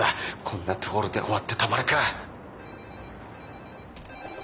こんなところで終わってたまるか！